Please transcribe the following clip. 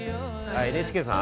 あＮＨＫさん？